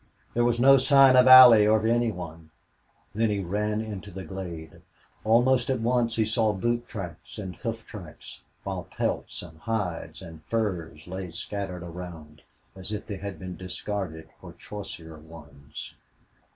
There was no sign of Allie or of any one. Then he ran into the glade. Almost at once he saw boot tracks and hoof tracks, while pelts and hides and furs lay scattered around, as if they had been discarded for choicer ones.